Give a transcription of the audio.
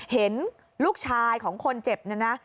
เห็นลูกชายของคนเจ็บเนี่ยนะ